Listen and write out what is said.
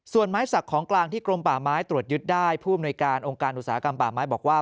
ส่วนไม้สักของกลางที่กรมป่าไม้ตรวจยึดได้ผู้อำนวยการองค์การอุตสาหกรรมป่าไม้บอกว่า